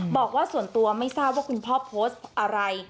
บอกว่าส่วนตัวไม่ทราบว่าคุณพ่อโพสต์อะไร